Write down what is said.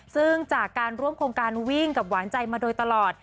ซึ่งจากการร่วมโครงการวิ่งกับหวานใจมาโดยตลอด